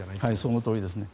そのとおりですね。